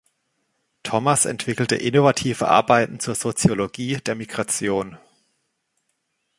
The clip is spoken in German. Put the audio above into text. Thomas entwickelte innovative Arbeiten zur Soziologie der Migration.